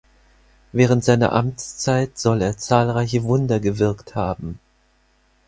Während seiner Amtszeit soll er zahlreiche Wunder gewirkt haben.